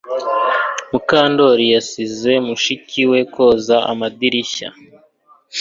Mukandoli yasize mushiki we koza amadirishya